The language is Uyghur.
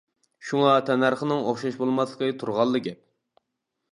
شۇڭا تەننەرخىنىڭ ئوخشاش بولماسلىقى تۇرغانلا گەپ.